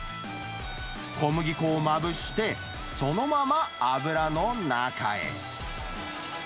小麦粉をまぶして、そのまま油の中へ。